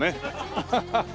アハハハハ！